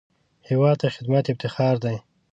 هېواد ته خدمت افتخار دی